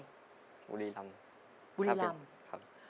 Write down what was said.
บุรีรำถ้าเป็นครับ